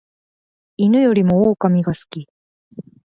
犬よりも狼が好き